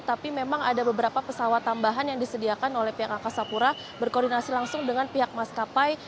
tapi memang ada beberapa pesawat tambahan yang disediakan oleh pihak angkasa pura berkoordinasi langsung dengan pihak maskapai